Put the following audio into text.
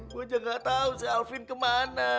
gue aja gak tau si alvin kemana